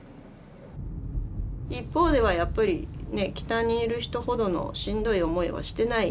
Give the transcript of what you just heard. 一方ではやっぱり北にいる人ほどのしんどい思いはしてない。